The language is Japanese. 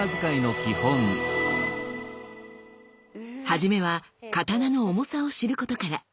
はじめは刀の重さを知ることから。